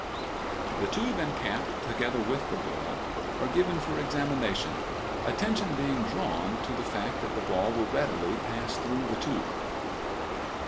(See Fig. 23). The tube and cap, together with the ball, are given for examination, attention being drawn to the fact that the ball will readily pass through the tube.